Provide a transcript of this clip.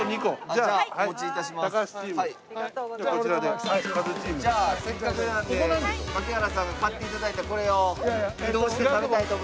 じゃあせっかくなんで槙原さんが買って頂いたこれを移動して食べたいと思います。